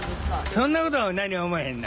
そんなこと何も思わへんな。